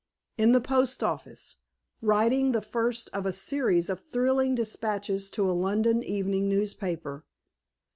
In the post office, writing the first of a series of thrilling dispatches to a London evening newspaper.